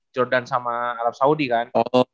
jordan sama arab saudi kan